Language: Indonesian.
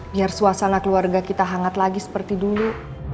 biar suasana keluarga kita hangat lagi seperti dulu